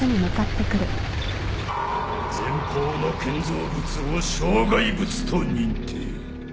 前方の建造物を障害物と認定。